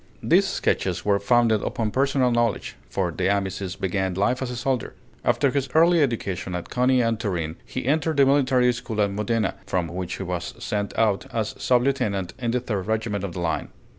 These sketches were founded upon personal knowledge, for De Amicis began life as a soldier. After his early education at Coni and Turin, he entered the military school at Modena, from which he was sent out as sub lieutenant in the third regiment of the line.